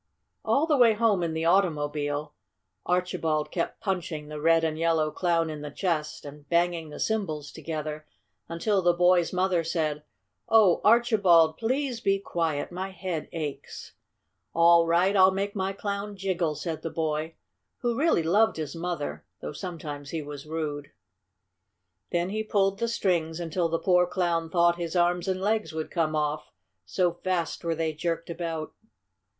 All the way home in the automobile Archibald kept punching the red and yellow Clown in the chest and banging the cymbals together until the boy's mother said: "Oh, Archibald, please be quiet! My head aches!" "All right, I'll make my Clown jiggle!" said the boy, who really loved his mother, though sometimes he was rude. Then he pulled the strings until the poor Clown thought his arms and legs would come off, so fast were they jerked about.